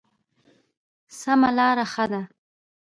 سمه لاره ښه ده.